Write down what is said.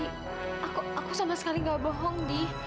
ini aku sama sekali enggak bohong di